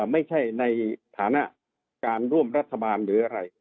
ในฐานะการร่วมรัฐบาลหรืออะไร